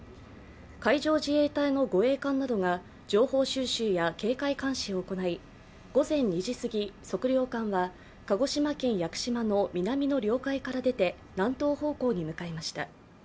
海上自衛隊の護衛艦などが情報収集や警戒監視を行い、午前２時すぎ、測量艦は鹿児島県屋久島の南の領海から出て、南東方向に向かいました。